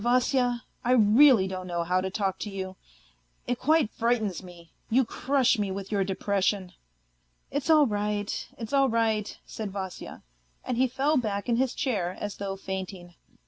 Vasya, I really don't know how to talk to you ... it quite frightens me ... you crush me with your depression." " It's all right, it's all right," said Vasya, and he fell back in his chair as though fainting.